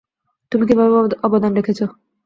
তুমি কীভাবে অবদান রেখেছ?